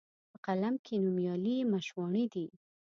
په قلم کښي نومیالي یې مشواڼي دي